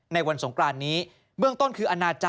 ในวันสงกรานนี้เบื้องต้นคืออนาจาร